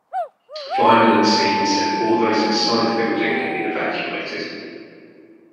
Firemen at the scene said all those inside the building had been evacuated.